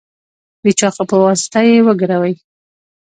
د چاقو په واسطه یې وګروئ.